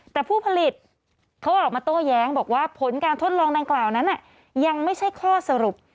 แต่ผู้ผลิตเขาออกมาโต้แย้งบอกว่าผลการทดลองดังกล่าวนั้นยังไม่ใช่ข้อสรุป